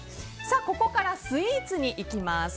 ここからスイーツにいきます。